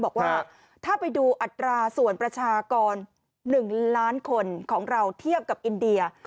บอกว่าถ้าไปดูอัตราส่วนประชากร๑ล้านคนของเราเทียบกับอินเดีย